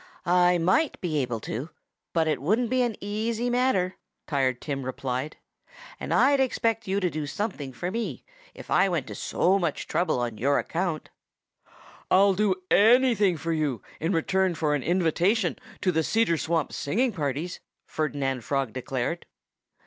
"I might be able to; but it wouldn't be an easy matter," Tired Tim replied. "And I'd expect you to do something for me, if I went to so much trouble on your account." "I'll do anything for you, in return for an invitation to the Cedar Swamp singing parties," Ferdinand Frog declared.